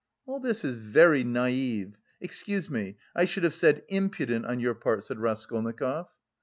"All this is very naïve... excuse me, I should have said impudent on your part," said Raskolnikov.